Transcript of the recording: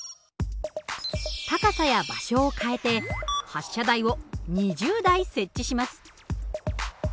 高さや場所を変えて発射台を２０台設置します。